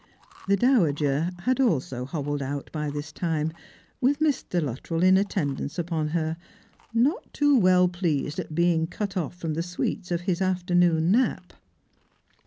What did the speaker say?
The dowager had also hobbled out by this time, with Mr. Luttrell in attendance upon her, not too well pleased at being cut off from the sweets of his afternoon nap.